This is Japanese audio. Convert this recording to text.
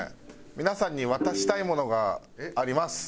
皆さんに渡したいものがあります。